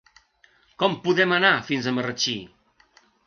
Com podem anar fins a Marratxí?